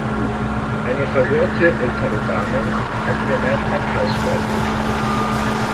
Eine verwirrte ältere Dame hat mir meinen Einkaufswagen geklaut.